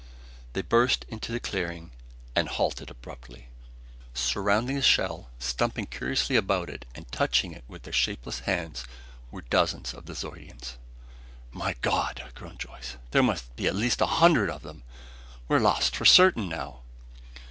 They burst into the clearing and halted abruptly. Surrounding the shell, stumping curiously about it and touching it with their shapeless hands, were dozens of the Zeudians. "My God!" groaned Joyce. "There must be at least a hundred of them! We're lost for certain now!"